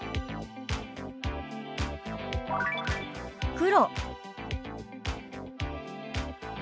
「黒」。